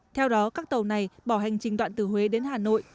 theo đó các tàu này bỏ hành trình đoạn từ huế đến hà nội